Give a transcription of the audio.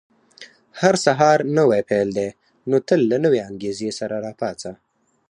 • هر سهار نوی پیل دی، نو تل له نوې انګېزې سره راپاڅه.